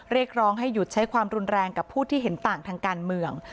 เรียกร้องให้หยุดใช้ความรุนแรงกับผู้ที่เห็นต่างทางการเมือง